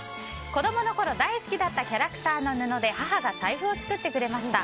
子供のころ大好きだったキャラクターの布で母が財布を作ってくれました。